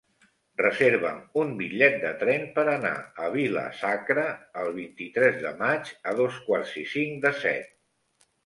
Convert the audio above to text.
Reserva'm un bitllet de tren per anar a Vila-sacra el vint-i-tres de maig a dos quarts i cinc de set.